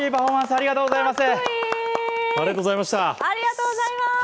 ありがとうございます！